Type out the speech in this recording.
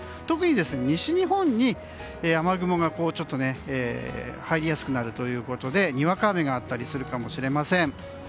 特に西日本に雨雲が入りやすくなるということでにわか雨があったりするかもしれません。